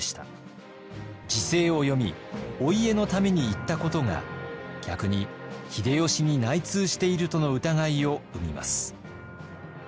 時勢を読みお家のために言ったことが逆に秀吉に内通しているとの疑いを生みます。